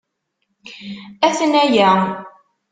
Aten-aya!